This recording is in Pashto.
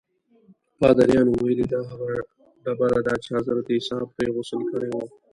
پادریانو ویلي دا هغه ډبره ده چې حضرت عیسی پرې غسل کړی و.